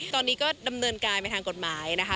ตอนนี้ก็ดำเนินการไปทางกฎหมายนะคะ